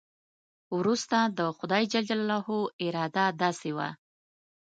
وروسته د خدای جل جلاله اراده داسې وه.